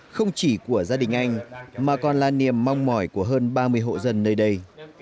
không chỉ của gia đình anh mà còn là niềm mong mỏi của hơn ba mươi hộ dân nơi đây